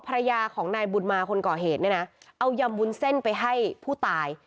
ภรรยาของนายบุญมาคนก่อเหตุเนี่ยนะเอายำวุ้นเส้นไปให้ผู้ตาย